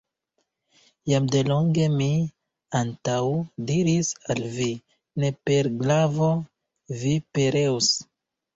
Jam delonge mi antaŭdiris al vi: ne per glavo vi pereos!